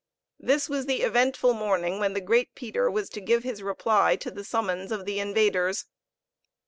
This was the eventful morning when the Great Peter was to give his reply to the summons of the invaders.